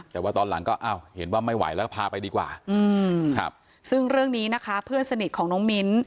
แต่ว่าตอนหลังก็อ้าวเห็นว่าไม่ไหวแล้วก็พาไปดีกว่าอืมครับซึ่งเรื่องนี้นะคะเพื่อนสนิทของน้องมิ้น